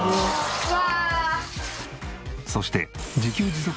うわ！